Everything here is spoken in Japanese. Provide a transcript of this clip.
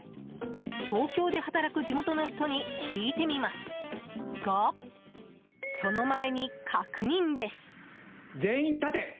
東京で働く地元の人に聞いてみますがその前に確認です。